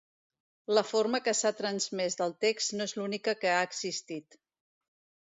La forma que s'ha transmès del text no és l'única que ha existit.